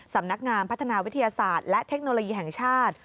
สำนักงานพัฒนาวิทยาศาสตร์และเทคโนโลยีแห่งชาติ